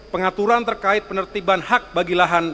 pengaturan terkait penertiban hak bagi lahan